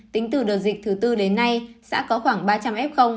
tính từ đợt dịch thứ tư đến nay xã có khoảng ba trăm linh f